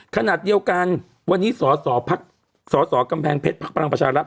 ขณะเดียวกันวันนี้สสกำแพงเพชรพักพลังประชารัฐ